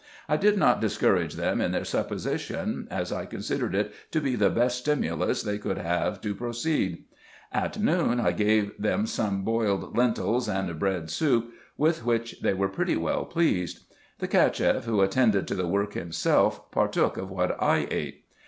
I did not discourage them in their supposition, as I considered it to be the best stimulus they could have to proceed. At noon I gave them some boiled lentils, and bread soup, with which they were pretty well pleased. The Cacheff, who attended to the work himself, partook of what I ate.